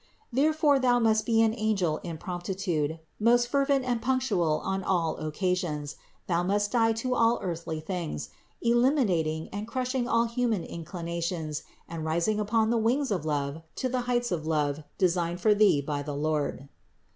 Therefore thou must be an angel in promptitude, most fervent and punctual on all occasions; thou must die to all earthly things, eliminating and crushing all human inclinations and rising upon the wings of love to the heights of love designed for thee by the Lord.